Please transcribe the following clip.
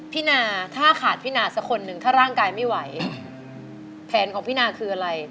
นาถ้าขาดพี่นาสักคนหนึ่งถ้าร่างกายไม่ไหวแผนของพี่นาคืออะไร